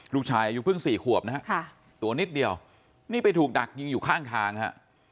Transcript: ลูกชายอายุเพิ่ง๔ขวบนะฮะตัวนิดเดียวนี่ไปถูกดักยิงอยู่ข้างทางฮะ